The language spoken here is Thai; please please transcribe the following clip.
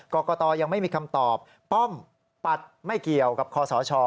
กรกตยังไม่มีคำตอบป้อมปัดไม่เกี่ยวกับคอสช